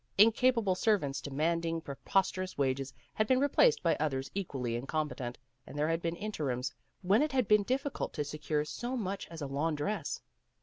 Incapable servants demanding pre posterous wages, had been replaced by others equally incompetent, and there had been interims when it had been difficult to secure so much as a laundress.